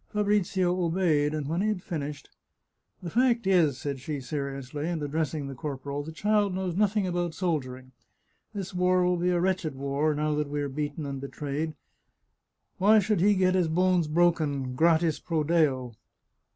Fabrizio obeyed, and when he had finished —" The fact is," said she seriously, and addressing the corporal, " the child knows nothing about soldiering. This war will be a wretched war, now that we are beaten and betrayed. Why should he get his bones broken, gratis pro Deo!